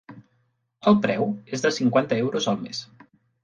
El preu és de cinquanta euros al mes.